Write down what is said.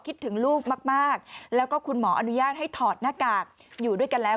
คิดถึงลูกมากแล้วก็คุณหมออนุญาตให้ถอดหน้ากากอยู่ด้วยกันแล้ว